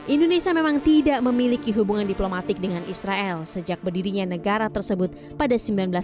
indonesia memang tidak memiliki hubungan diplomatik dengan israel sejak berdirinya negara tersebut pada seribu sembilan ratus sembilan puluh